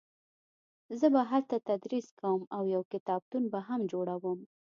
زه به هلته تدریس کوم او یو کتابتون به هم جوړوم